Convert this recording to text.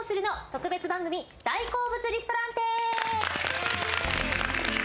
特別番組「大好物リストランテ」